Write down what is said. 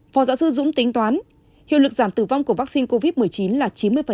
phó giáo sư dũng tính toán hiệu lực giảm tử vong của vaccine covid một mươi chín là chín mươi